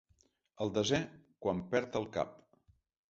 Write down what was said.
El desè quan perd el cap.